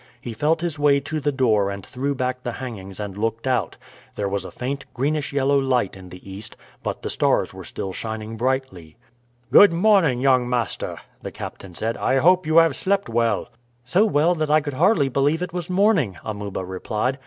He felt his way to the door and threw back the hangings and looked out; there was a faint greenish yellow light in the east, but the stars were still shining brightly. "Good morning, young master!" the captain said. "I hope you have slept well." "So well that I could hardly believe it was morning," Amuba replied.